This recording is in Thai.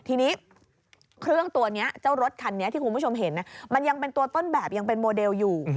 ทีนี้เครื่องตัวนี้เจ้ารถคันนี้ที่คุณผู้ชมเห็นมันยังเป็นตัวต้นแบบยังเป็นโมเดลอยู่